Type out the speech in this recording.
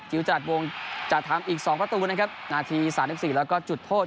จิลจรัสวงศ์จัดทำอีกสองประตูนะครับนาทีสามสิบสี่แล้วก็จุดโทษ